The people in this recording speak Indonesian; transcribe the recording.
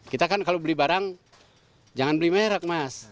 kita kan kalau beli barang jangan beli merek mas